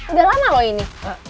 udah lama loh ini